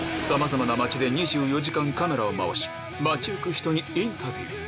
さまざまな街で２４時間カメラを回し、街行く人にインタビュー。